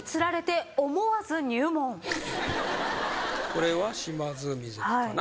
これは島津海関かな？